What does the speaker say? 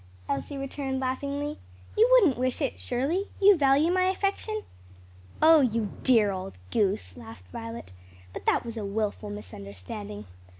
Elsie returned laughingly. "You wouldn't wish it, surely? You value my affection?" "Oh you dear old goose!" laughed Violet; "but that was a wilful misunderstanding.